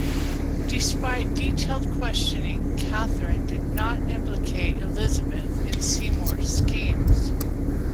Despite detailed questioning, Katherine did not implicate Elizabeth in Seymour's schemes.